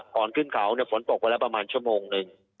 ก่อนขึ้นเขาฝนตกไปแล้วประมาณชั่วโมงหนึ่ง